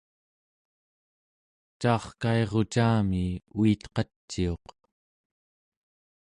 caarkairucami uitqaciuq